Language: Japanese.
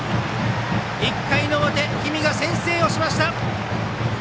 １回の表、氷見が先制をしました。